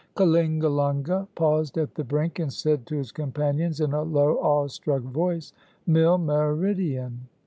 Kalingalunga paused at the brink and said to his companions in a low, awestruck voice, "Milmeridien."